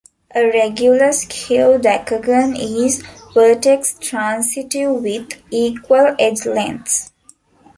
A regular skew decagon is vertex-transitive with equal edge lengths.